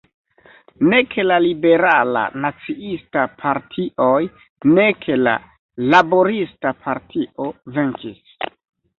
Nek la Liberala-Naciista partioj, nek la Laborista partio venkis.